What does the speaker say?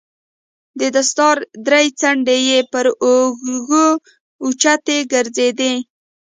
د دستار درې څنډې يې پر اوږو او څټ ځړېدې.